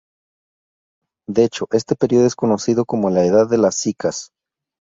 De hecho este período es conocido como la "edad de las Cycas".